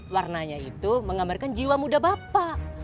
warnanya itu menggambarkan jiwa muda bapak